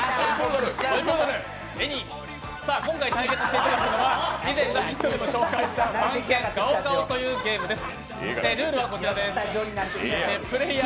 今回対決していただくのは、以前「ラヴィット！」でも紹介した「番犬ガオガオ」というゲームです。